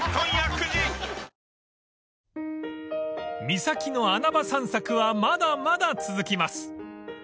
［三崎の穴場散策はまだまだ続きます］